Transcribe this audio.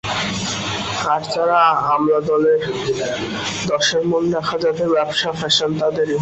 আর যারা আমলা-দলের, দশের মন রাখা যাদের ব্যাবসা, ফ্যাশান তাদেরই।